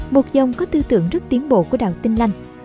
một dòng có tư tưởng rất tiến bộ của đạo tin lành